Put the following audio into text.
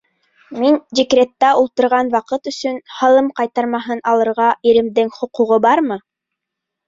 Мин декретта ултырған ваҡыт өсөн һалым ҡайтармаһын алырға иремдең хоҡуғы бармы?